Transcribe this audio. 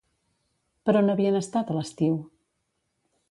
Per on havien estat a l'estiu?